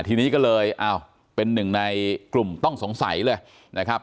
ทีนี้ก็เลยอ้าวเป็นหนึ่งในกลุ่มต้องสงสัยเลยนะครับ